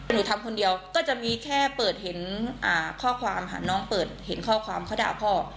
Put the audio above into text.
หนูทำคนเดียวก็จะมีแค่เปิดเห็นข้อความหาน้องเปิดเห็นข้อความเขาด่าพ่อ